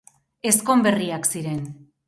Ezkonberriak ziren.